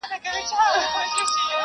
د پسرلي وريځو به٫